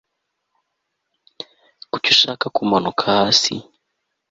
kuki ushaka kumanuka hasi